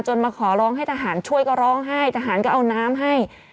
มาขอร้องให้ทหารช่วยก็ร้องไห้ทหารก็เอาน้ำให้